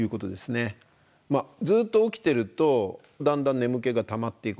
ずっと起きてるとだんだん眠気がたまっていくわけですね。